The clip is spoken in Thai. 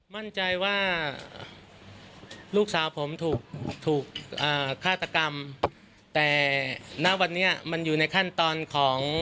มั่นใจว่าลูกสาวผมถูกถูกฆาตกรรมแต่ณวันนี้มันอยู่ในขั้นตอนของ